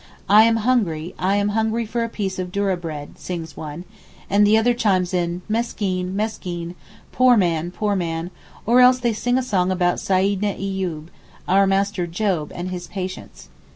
'I am hungry, I am hungry for a piece of dourrah bread,' sings one, and the other chimes in, Meskeen, meskeen 'Poor man, poor man,' or else they sing a song about Seyyidna Iyoob 'Our master Job' and his patience.